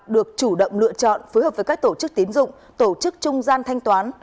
được chủ động lựa chọn phối hợp với các tổ chức tín dụng tổ chức trung gian thanh toán